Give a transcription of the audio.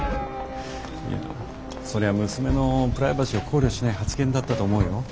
いやそりゃ娘のプライバシーを考慮しない発言だったと思うよ？